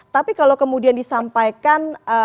tapi kalau kemudian disampaikan